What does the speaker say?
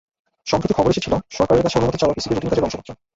সম্প্রতি খবর এসেছিল, সরকারের কাছে অনুমতি চাওয়া পিসিবির রুটিন কাজের অংশ মাত্র।